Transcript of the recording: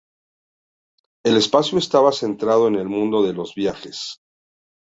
El espacio estaba centrado en el mundo de los viajes.